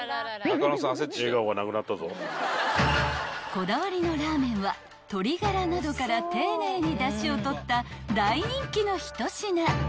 ［こだわりのラーメンは鶏がらなどから丁寧にだしを取った大人気の一品］